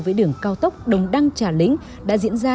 với đường cao tốc đồng đăng trà lĩnh đã diễn ra